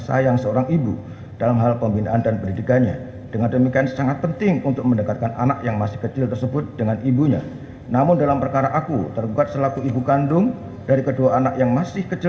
pertama penggugat akan menerjakan waktu yang cukup untuk menerjakan si anak anak tersebut yang telah menjadi ilustrasi